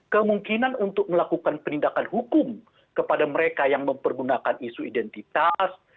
kemungkinan untuk melakukan penindakan hukum kepada mereka yang mempergunakan isu identitas